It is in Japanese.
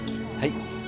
はい！